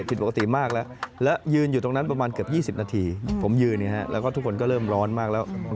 ผมยืนอย่างนี้แล้วก็ทุกคนก็เริ่มร้อนมากแล้ว